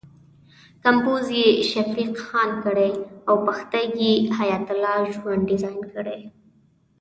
کمپوز یې شفیق خان کړی او پښتۍ یې حیات الله ژوند ډیزاین کړې.